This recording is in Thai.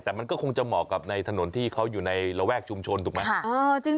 แต่มันก็คงจะเหมาะกับในถนนที่เขาอยู่ในระแวกชุมชนถูกไหม